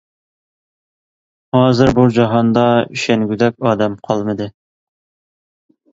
ھازىر بۇ جاھاندا ئىشەنگۈدەك ئادەم قالىمىدى.